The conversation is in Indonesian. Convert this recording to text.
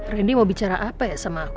randy mau bicara apa ya sama aku